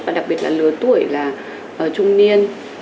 và đặc biệt là lứa tuổi là trung niên